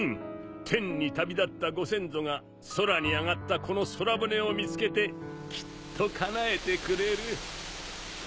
天に旅立ったご先祖が空に上がったこの空船を見つけてきっとかなえてくれる。